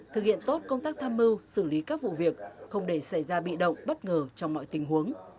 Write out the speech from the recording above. thực hiện tốt công tác tham mưu xử lý các vụ việc không để xảy ra bị động bất ngờ trong mọi tình huống